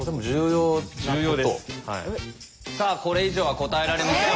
さあこれ以上は答えられません。